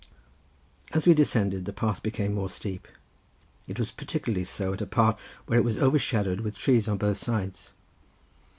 As we descended the path became more steep; it was particularly so at a part where it was overshadowed with trees on both sides.